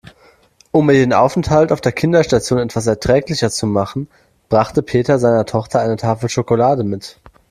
Um ihr den Aufenthalt auf der Kinderstation etwas erträglicher zu machen, brachte Peter seiner Tochter eine Tafel Schokolade mit.